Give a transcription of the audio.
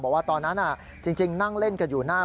บอกว่าตอนนั้นจริงนั่งเล่นกันอยู่หน้า